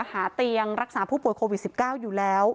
หาเตียงรักษาผู้ป่วยโควิด๑๙อยู่แล้ว